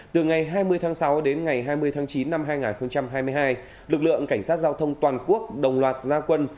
từ ngày hai mươi tháng sáu đến ngày hai mươi tháng chín năm hai nghìn hai mươi hai lực lượng cảnh sát giao thông toàn quốc đồng loạt gia quân